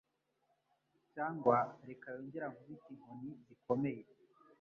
cyangwa reka yongere ankubite inkoni zikomeye